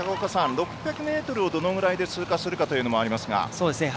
６００ｍをどれぐらいで通過するということもありますね。